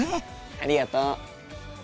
ありがとう。